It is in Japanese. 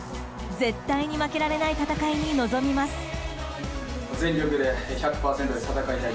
絶対に負けられない戦いに臨みます。